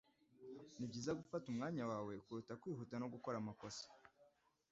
Nibyiza gufata umwanya wawe kuruta kwihuta no gukora amakosa